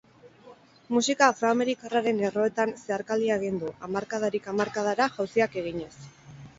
Musika afroamerikarraren erroetan zeharkaldia egin du, hamarkadarik hamarkadara jauziak eginez.